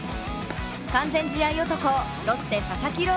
完全試合男、ロッテ・佐々木朗